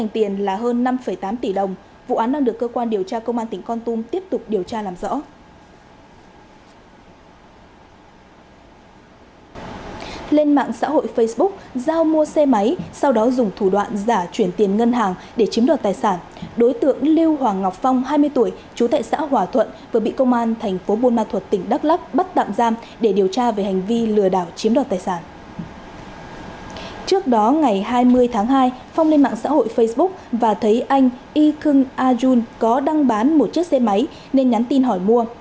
phong lên mạng xã hội facebook và thấy anh y khương a jun có đăng bán một chiếc xe máy nên nhắn tin hỏi mua